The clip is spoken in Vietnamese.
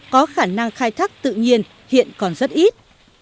có khả năng khai thác tự nhiên hiện còn rất ít